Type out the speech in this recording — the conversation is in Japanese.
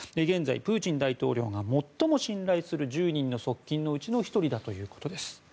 現在プーチン大統領が最も信頼する１０人の側近のうちの１人だということです。